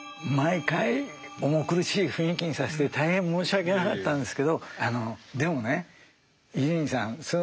毎回重苦しい雰囲気にさせて大変申し訳なかったんですけどあのでもね伊集院さん